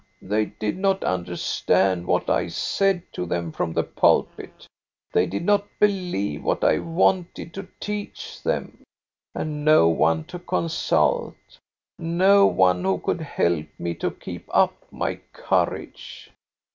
They did not understand what I said to them from the pulpit. They did not believe what I wanted to teach them. And no one to con sult, no one who could help me to keep up my courage."